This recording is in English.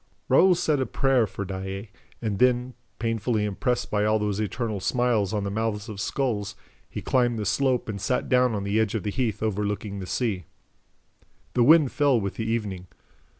Raoul said a prayer for Daae and then, painfully impressed by all those eternal smiles on the mouths of skulls, he climbed the slope and sat down on the edge of the heath overlooking the sea. The wind fell with the evening.